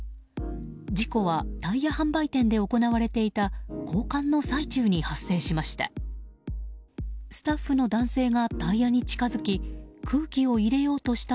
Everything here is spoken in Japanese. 事故はタイヤ販売店で行われていた交換の最中に発生しました。